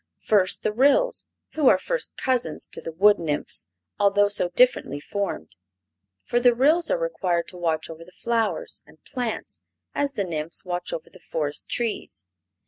First the Ryls, who are first cousins to the wood nymphs, although so differently formed. For the Ryls are required to watch over the flowers and plants, as the nymphs watch over the forest trees.